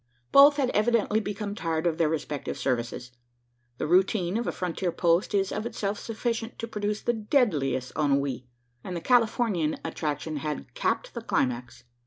Both had evidently become tired of their respective services. The routine of a frontier post is of itself sufficient to produce the deadliest ennui; and the Californian attraction had "capped the climax."